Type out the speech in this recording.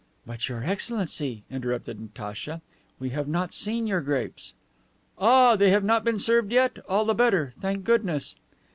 "But, your Excellency," interrupted Natacha, "we have not seen your grapes." "Ah, they have not been served yet? All the better. Thank goodness!"